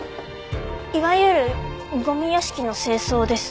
いわゆるゴミ屋敷の清掃です。